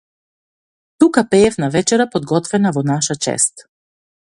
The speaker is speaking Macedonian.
Тука пеев на вечера подготвена во наша чест.